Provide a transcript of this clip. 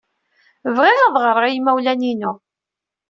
Bɣiɣ ad ɣreɣ i yimawlan-inu.